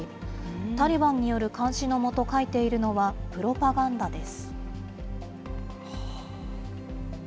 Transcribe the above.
タリバンによる監視の下、書いているのは、プロパガンダです。